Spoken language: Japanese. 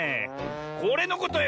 これのことよ。